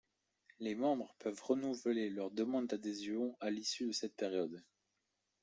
Les membres peuvent renouveler leur demande d’adhésion à l’issue de cette période.